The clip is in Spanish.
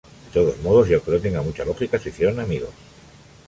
De todos modos, y aunque no tenga mucha lógica, se hicieron amigos.